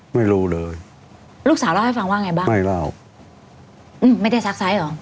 ไม่รู้เลยลูกสาวเล่าให้ฟังว่าไงบ้างไม่เล่าอืมไม่ได้ซักซ้ายเหรอ